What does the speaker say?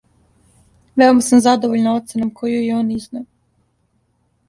Веома сам задовољна оценом коју је он изнео.